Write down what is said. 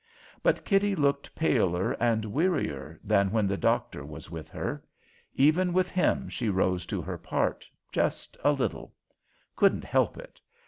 But Kitty looked paler and wearier than when the doctor was with her. Even with him she rose to her part just a little; couldn't help it.